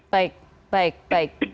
baik baik baik